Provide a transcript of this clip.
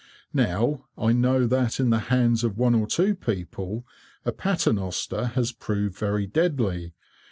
Now, I know that in the hands of one or two people, a paternoster has proved very deadly.